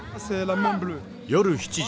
夜７時。